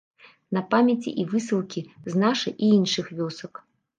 На памяці і высылкі з нашай і іншых вёсак.